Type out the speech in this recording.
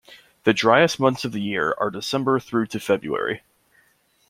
The driest months of the year are December through to February.